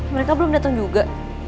mereka belum datang juga